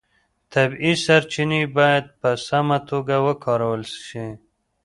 طبیعي سرچینې باید په سمه توګه وکارول شي.